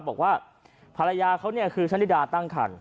บอกว่าภรรยาเขาเนี่ยคือชะนิดาตั้งคัน